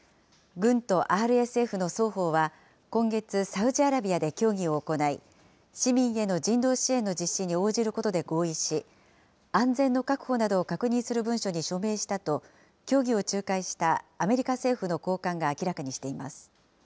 軍とＲＳＦの双方は、今月、サウジアラビアで協議を行い、市民への人道支援の実施に応じることで合意し、安全の確保などを確認する文書に署名したと、協議を仲介したアメリカ政府の高官が明らかにしています。